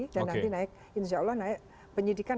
dan nanti insya allah naik penyidikan